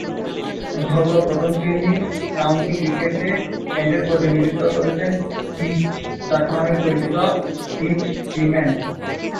ঘরোয়া প্রথম-শ্রেণীর কাউন্টি ক্রিকেটে কেন্টের প্রতিনিধিত্ব করেছেন ‘টিচ’ ডাকনামে পরিচিত টিচ ফ্রিম্যান।